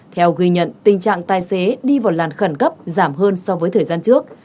theo ghi nhận tình trạng tài xế đi vào làn khẩn cấp giảm hơn so với thời gian trước